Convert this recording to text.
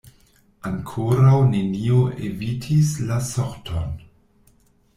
Ankoraŭ neniu evitis la sorton.